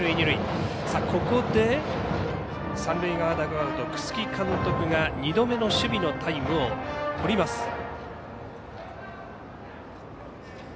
ここで、三塁側ダグアウト楠城監督が２度目の守備のタイムをとります。